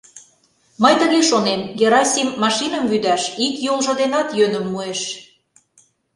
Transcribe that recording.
Мый тыге шонем: Герасим машиным вӱдаш ик йолжо денат йӧным муэш.